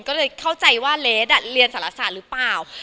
ก็เลยเข้าใจว่าเลสเรียนสารศาสตร์หรือเปล่า